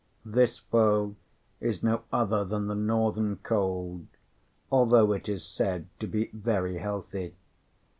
This foe is no other than the Northern cold, although it is said to be very healthy.